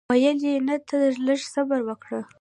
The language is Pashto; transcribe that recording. ویل یې نه ته لږ صبر وکړه.